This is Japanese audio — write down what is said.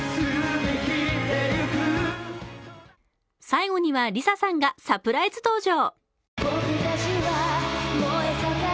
最後にはＬｉＳＡさんがサプライズ登場。